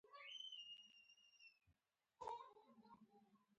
د سړیتوب یوه مهمه نښه په خپلو احساساتو قابو لرل دي.